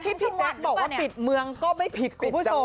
ที่พี่จันทร์บอกว่าปิดเมืองก็ไม่ปิดนะครับคุณผู้ชม